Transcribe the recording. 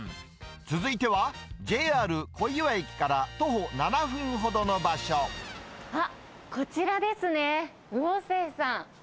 続いては、ＪＲ小岩駅から徒歩７分ほどあっ、こちらですね。